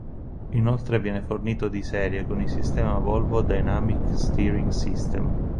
Inoltre viene fornito di serie con il sistema Volvo Dynamic Steering System.